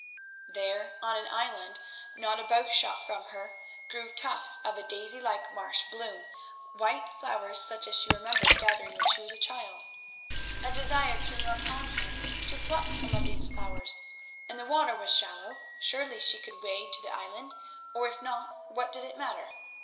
There, on an island, not a bowshot from her, grew tufts of a daisy like marsh bloom, white flowers such as she remembered gathering when she was a child. A desire came upon her to pluck some of these flowers, and the water was shallow; surely she could wade to the island, or if not what did it matter?